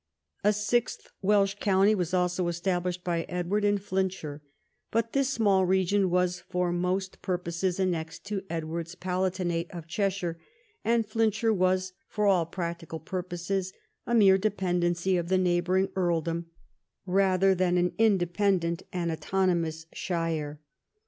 A sixth Welsh county was also estab lished by Edward in Flintshire, but this small region Avas for most purposes annexed to Edward's Palatinate of Cheshire, and Flintshire was for all practical pur poses a mere dependency of the neighbouring earldom rather than an independent and autonomous shire.